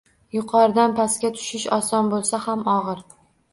Yuqoridan pastga tushish oson bo‘lsa ham og‘ir.